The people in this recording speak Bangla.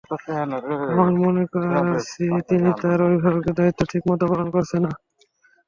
আমরা মনে করছি, তিনি তাঁর অভিভাবকের দায়িত্ব ঠিকমতো পালন করছেন না।